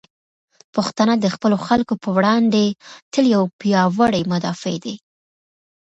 پښتانه د خپلو خلکو په وړاندې تل یو پیاوړي مدافع دی.